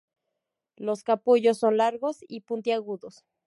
Los capullos son largos y puntiagudos.